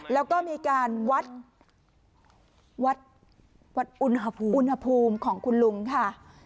แล้วก็มีการวัดอุณหภูมิของคุณลุงค่ะ